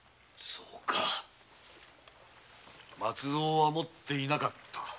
そうか松造は持っていなかった。